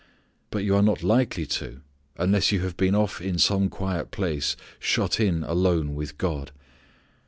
But you are not likely to unless you have been off in some quiet place shut in alone with God.